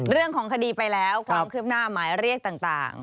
เรื่องของคดีไปแล้วความคืบหน้าหมายเรียกต่าง